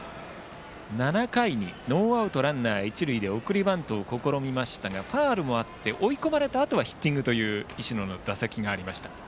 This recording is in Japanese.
７回にノーアウトランナー、一塁で送りバントを試みましたがファウルもあって追い込まれたあとはヒッティングという石野の打席がありました。